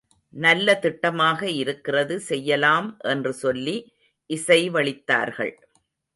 நல்ல திட்டமாக இருக்கிறது செய்யலாம் என்று சொல்லி இசைவளித்தார்கள்.